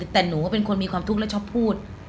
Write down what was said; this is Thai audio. แต่หนูก็เป็นคนมีความทุกข์และชอบพูด